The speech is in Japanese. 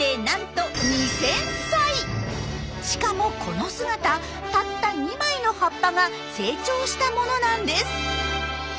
なんとしかもこの姿たった２枚の葉っぱが成長したものなんです。